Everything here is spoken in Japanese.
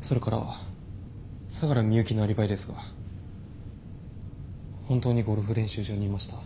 それから佐柄美幸のアリバイですが本当にゴルフ練習場にいました。